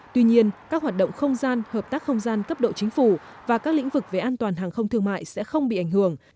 tuy nhiên các hoạt động không gian hợp tác không gian cấp độ chính phủ và các lĩnh vực về an toàn hàng không thương mại sẽ không bị ảnh hưởng